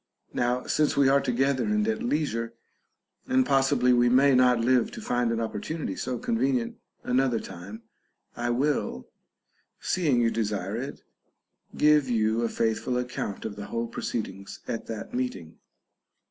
Now, since we are together and at leisure, and possibly we may not live to find an opportu nity so convenient another time, I will (seeing you desire it) give you a faithful account of the whole proceedings at that meeting.